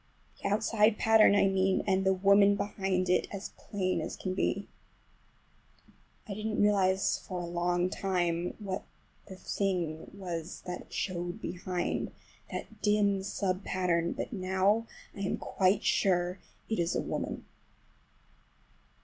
The outside pattern I mean, and the woman behind it is as plain as can be. I didn't realize for a long time what the thing was that showed behind,—that dim sub pattern,—but now I am quite sure it is a woman.